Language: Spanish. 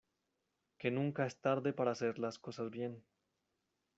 que nunca es tarde para hacer las cosas bien.